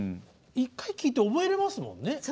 １回聴いて覚えれますもんね。